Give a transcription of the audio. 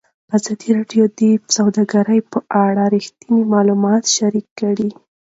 ازادي راډیو د سوداګري په اړه رښتیني معلومات شریک کړي.